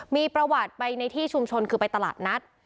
มีประวัติไปในที่ชุมชนคือไปตลาดนัด